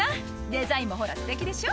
「デザインもほらすてきでしょ